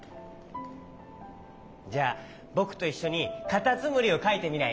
じゃあぼくといっしょにカタツムリをかいてみない？